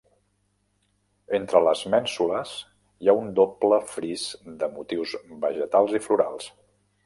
Entre les mènsules hi ha un doble fris de motius vegetals i florals.